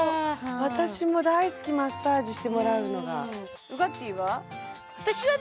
私も大好きマッサージしてもらうのがウガッティーは？